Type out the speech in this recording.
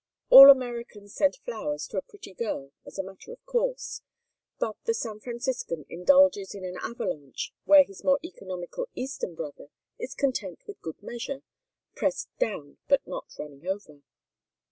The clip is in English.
All Americans send flowers to a pretty girl as a matter of course, but the San Franciscan indulges in an avalanche where his more economical Eastern brother is content with good measure, pressed down, but not running over.